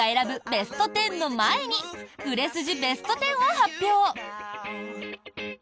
ベスト１０の前に売れ筋ベスト１０を発表。